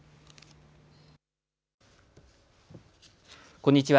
こんにちは。